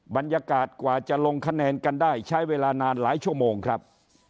บรรยากาศกว่าจะลงคะแนนกันได้ใช้เวลานานหลายชั่วโมงครับ